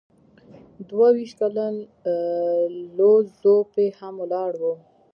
دوه ویشت کلن لو ځو پي هم ولاړ و.